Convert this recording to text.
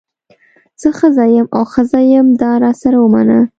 زه ښځه یم او ښځه یم دا راسره ومنه.